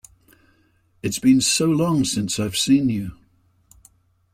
It has been so long since I have seen you!